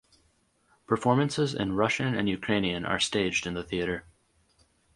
Performances in Russian and Ukrainian are staged in the theater.